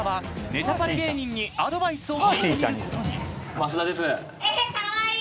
増田です。